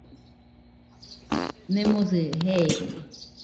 Nemosɨ jeerie.